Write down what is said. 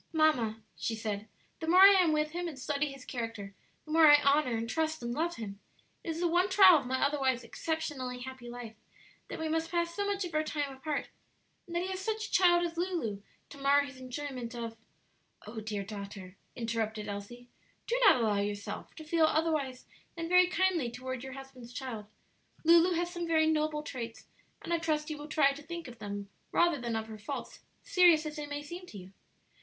"Mamma," she said, "the more I am with him and study his character, the more I honor and trust and love him. It is the one trial of my otherwise exceptionally happy life, that we must pass so much of our time apart, and that he has such a child as Lulu to mar his enjoyment of " "Oh, dear daughter," interrupted Elsie, "do not allow yourself to feel otherwise than very kindly toward your husband's child; Lulu has some very noble traits, and I trust you will try to think of them rather than of her faults, serious as they may seem to you."